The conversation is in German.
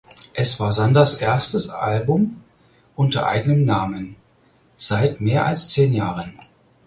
Es war Sanders’ erstes Album unter eigenem Namen seit mehr als zehn Jahren.